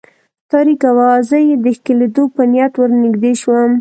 تاریکه وه، زه یې د ښکلېدو په نیت ور نږدې شوم.